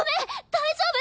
大丈夫？